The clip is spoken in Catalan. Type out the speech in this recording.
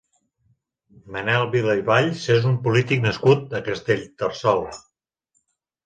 Manel Vila i Valls és un polític nascut a Castellterçol.